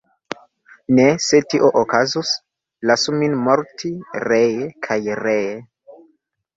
Ne, se tio okazus, lasu min morti ree kaj ree."".